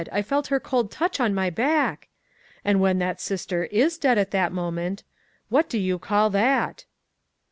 I felt her cold touch on my back!"—and when that sister is dead at the moment—what do you call that?